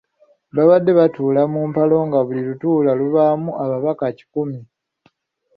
Babadde batuula mu mpalo nga buli lutuula lubaamu ababaka kikumi.